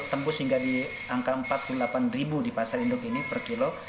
tembus hingga di angka empat puluh delapan ribu di pasar induk ini per kilo